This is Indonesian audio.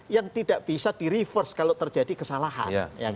yang tidak bisa di reverse kalau terjadi kesalahan